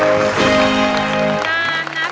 ถ้าพร้อมอินโทรเพลงที่สี่มาเลยครับ